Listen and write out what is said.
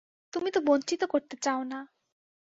তুমি তো বঞ্চিত করতে চাও না।